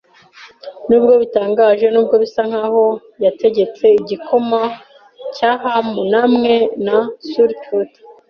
Nubwo bitangaje nubwo bisa nkaho, yategetse igikoma cya ham hamwe na sauerkraut.